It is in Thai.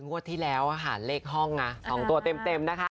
งวดที่แล้วค่ะเลขห้อง๒ตัวเต็มนะคะ